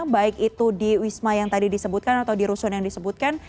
baik itu di wisma yang tadi disebutkan atau di rusun yang disebutkan